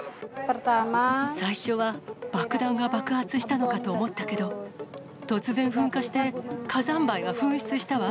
最初は爆弾が爆発したのかと思ったけど、突然噴火して、火山灰が噴出したわ。